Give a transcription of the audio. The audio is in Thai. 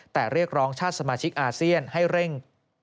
แต่เรียกร้องชาติสมาชิกอาเซียนให้เร่ง